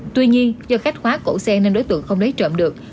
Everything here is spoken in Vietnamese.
tuy nhiên do khách khóa cổ xe nên đối tượng không lấy trộm được